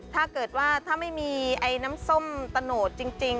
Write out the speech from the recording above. ถ้าเกิดว่าถ้าไม่มีไอ้น้ำส้มตะโนดจริง